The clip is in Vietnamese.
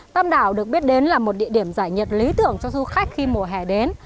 tam đảo được biết đến là một địa điểm giải nhiệt lý tưởng cho du khách khi mùa hè đến